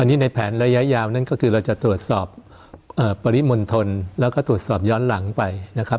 อันนี้ในแผนระยะยาวนั่นก็คือเราจะตรวจสอบปริมณฑลแล้วก็ตรวจสอบย้อนหลังไปนะครับ